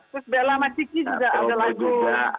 terus bella mas ciki juga ada lagu